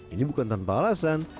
ini bukan tanpa alasan